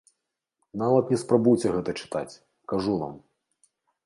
Нават не спрабуйце гэта чытаць, кажу вам.